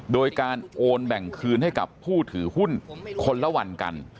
โดยการโอนแบ่งคืนให้กับผู้ถือหุ้นคนละวันกัน